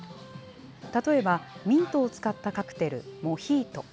例えば、ミントを使ったカクテル、モヒート。